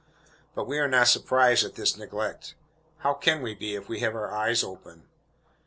But we are not surprised at this neglect. How can we be, if we have our eyes open?